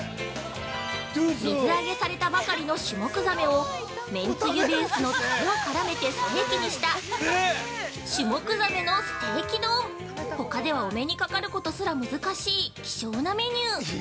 ◆水揚げされたばかりのシュモクザメをめんつゆベースのタレを絡めてステーキにした「シュモクザメのステーキ丼」ほかではお目にかかることすら難しい希少なメニュー！